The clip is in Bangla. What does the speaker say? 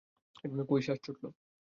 কই শ্বাস ছুটল?